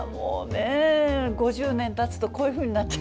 ５０年たつとこういうふうになっちゃう。